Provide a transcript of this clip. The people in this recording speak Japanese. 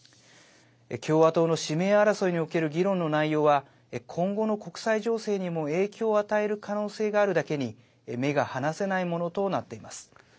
共和党の指名争いにおける議論の内容は今後の国際情勢にも影響を与える可能性があるだけに目が離せないものとなっています。